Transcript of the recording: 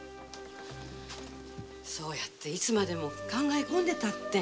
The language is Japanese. そうやっていつまで考え込んでいたって。